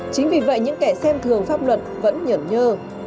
chính vì vậy những kẻ xem thường pháp luật vẫn nhẩn nhơ